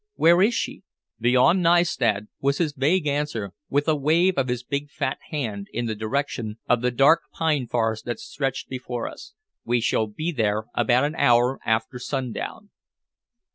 Where is she?" "Beyond Nystad," was his vague answer with a wave of his big fat hand in the direction of the dark pine forest that stretched before us. "We shall be there about an hour after sundown."